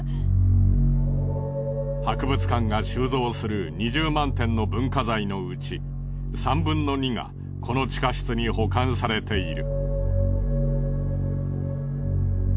博物館が収蔵する２０万点の文化財のうち３分の２がこの地下室に保管されている。